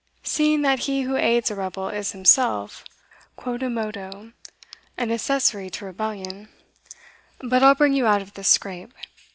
seeing that he who aids a rebel, is himself, quodammodo, an accessory to rebellion But I'll bring you out of this scrape."